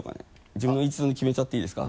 自分の一存で決めちゃっていいですか？